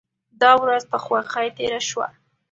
دا ورځ په خوښۍ تیره شوه.